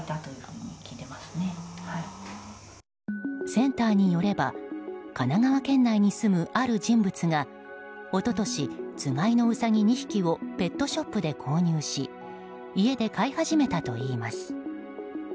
センターによれば神奈川県内に住むある人物が一昨年、つがいのウサギ２匹をペットショップで購入し家で飼い始めたといいます。